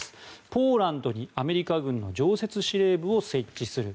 ポーランドにアメリカ軍の常設司令部を設置する。